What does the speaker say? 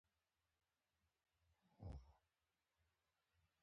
د یو ټن انارو د پروسس ظرفیت لري